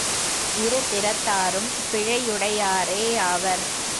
இரு திறத்தாரும் பிழையுடையாரே யாவர்.